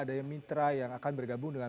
ada mitra yang akan bergabung dengan